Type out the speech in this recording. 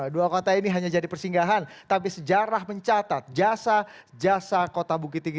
dua kota ini hanya jadi persinggahan tapi sejarah mencatat jasa jasa kota bukit tinggi